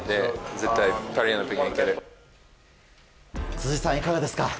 辻さん、いかがですか？